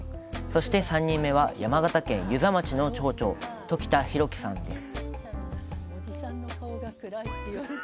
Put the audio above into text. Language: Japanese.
そして、３人目は山形県遊佐町の町長時田博機さんです。